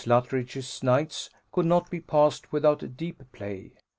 Luttridge's nights could not be passed without deep play.